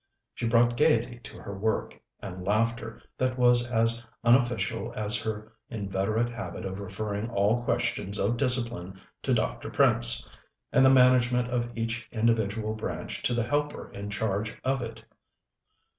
She brought gaiety to her work, and laughter that was as unofficial as her inveterate habit of referring all questions of discipline to Dr. Prince, and the management of each individual branch to the helper in charge of it.